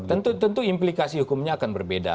tentu tentu implikasi hukumnya akan berbeda